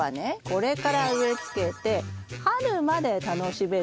これから植えつけて春まで楽しめる方がいいですね。